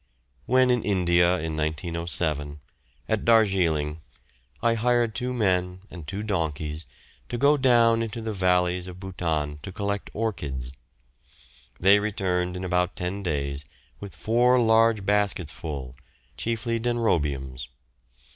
When in India in 1907, at Darjeeling, I hired two men and two donkeys to go down into the valleys of Bhutan to collect orchids. They returned in about ten days with four large baskets full, chiefly denrobiums.